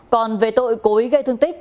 còn về tội cố ý gây thương tích